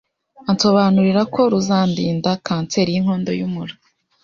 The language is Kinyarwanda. ansobanurira ko ruzandinda kanseri y’inkondo y’umura